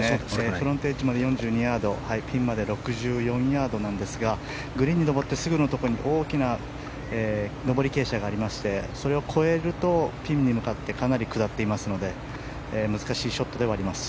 フロントエッジまで４２ヤードピンまで６４ヤードなんですがグリーンに上ってすぐのところに大きな上り傾斜がありましてそれを越えるとピンに向かってかなり下っていますので難しいショットではあります。